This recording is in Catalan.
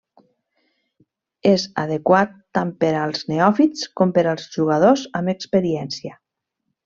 És adequat tant per als neòfits com per als jugadors amb experiència.